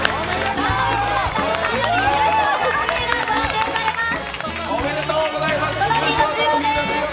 サンドウィッチマン伊達さんより優勝トロフィーが授与されます。